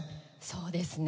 そうですね。